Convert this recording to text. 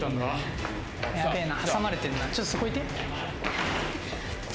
ちょっとそこいて。